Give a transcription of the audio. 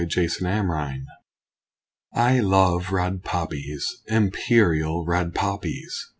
A SONG OF POPPIES I love red poppies! Imperial red poppies!